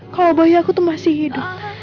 kalau bayi aku tuh masih hidup